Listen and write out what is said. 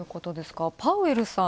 パウエルさん